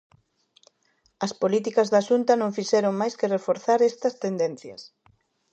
As políticas da Xunta non fixeron máis que reforzar estas tendencias.